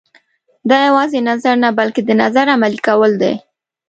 دا یوازې نظر نه بلکې د نظر عملي کول دي.